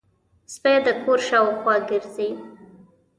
سپي د کور شاوخوا ګرځي.